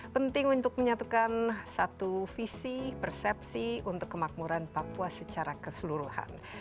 penting untuk menyatukan satu visi persepsi untuk kemakmuran papua secara keseluruhan